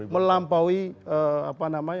melampaui apa namanya